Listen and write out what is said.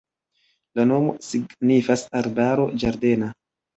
La nomo signifas arbaro-ĝardena.